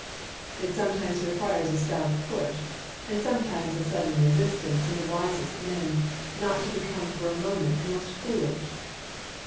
It sometimes requires a stout push, and sometimes a sudden resistance, in the wisest men, not to become for a moment the most foolish.